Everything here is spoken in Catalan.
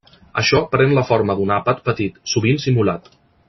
Això pren la forma d'un àpat petit, sovint simulat.